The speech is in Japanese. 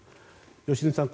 良純さん